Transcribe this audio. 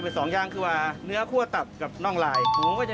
ที่ร้านก็จะมีมีเนื้องนังทำผัว